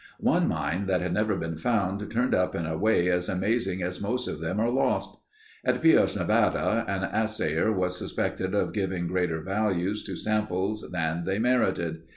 One mine that had never been found turned up in a way as amazing as most of them are lost. At Pioche, Nevada, an assayer was suspected of giving greater values to samples than they merited.